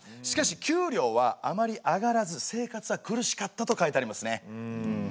しかし給料はあまり上がらず生活は苦しかったと書いてありますね。